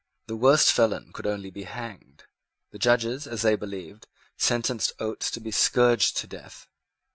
The worst felon could only be hanged. The judges, as they believed, sentenced Oates to be scourged to death.